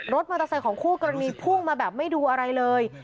รถมอเตอร์ไซค์ของคู่กรณีพุ่งมาแบบไม่ดูอะไรเลย